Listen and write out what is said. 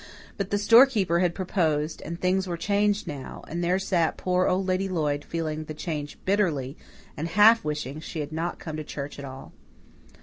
But the storekeeper had proposed, and things were changed now; and there sat poor Old Lady Lloyd, feeling the change bitterly, and half wishing she had not come to church at all.